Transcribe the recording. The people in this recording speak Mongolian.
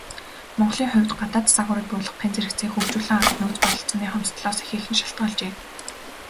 Монголын хувьд, гадаад загварыг буулгахын зэрэгцээ хөгжүүлэн авах нөөц бололцооны хомсдолоос ихээхэн шалтгаалжээ.